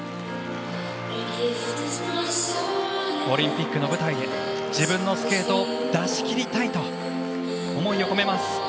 オリンピックの舞台で自分のスケートを出し切りたいと思いを込めます。